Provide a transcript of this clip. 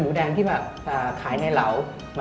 หมูแดงในเหรา